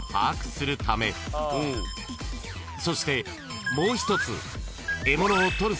［そしてもう一つ］